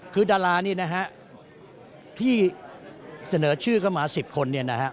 คือดารานี่ที่เสนอชื่อเข้ามา๑๐คน